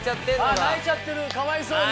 あっ泣いちゃってるかわいそう。